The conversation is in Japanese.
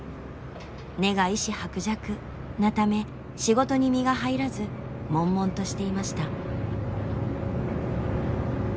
「根が意志薄弱」なため仕事に身が入らず悶々としていました。